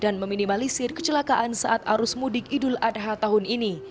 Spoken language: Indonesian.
dan meminimalisir kecelakaan saat arus mudik idul adha tahun ini